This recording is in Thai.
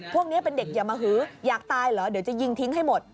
พวกนี้เป็นเด็กอย่ามาหืออยากตายเหรอเดี๋ยวจะยิงทิ้งให้หมด